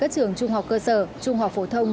trung học cơ sở trung học phổ thông